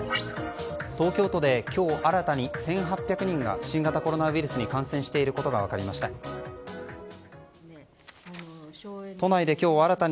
東京都で今日新たに１８００人が新型コロナウイルスに感染していることが分かりました。